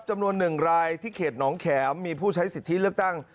จำนวน๑รายที่เขตหนองแขมมีผู้ใช้สิทธิเลือกตั้ง